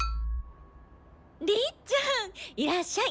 りっちゃんいらっしゃい。